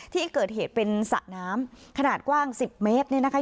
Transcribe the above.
ที่เกิดเหตุเป็นสระน้ำขนาดกว้าง๑๐เมตรเนี่ยนะคะ